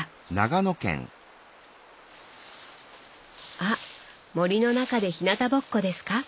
あっ森の中でひなたぼっこですか？